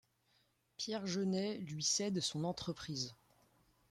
Pierre Jeunet lui cède son entreprise.